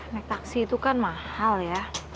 naik taksi itu kan mahal ya